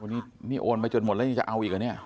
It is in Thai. นี่โอนไปจนหมดแล้วยังจะเอาอีกเหรอเนี่ย